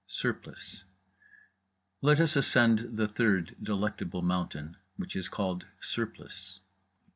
SURPLICE Let us ascend the third Delectable Mountain, which is called Surplice.